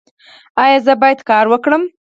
ایا زه باید کار وکړم؟